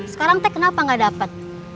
sekarang teh kenapa gak dapat